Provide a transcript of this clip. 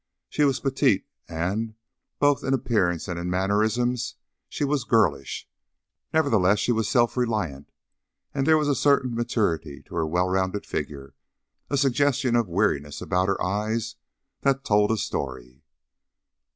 She was petite and, both in appearance and in mannerism, she was girlish; nevertheless, she was self reliant, and there was a certain maturity to her well rounded figure, a suggestion of weariness about her eyes, that told a story.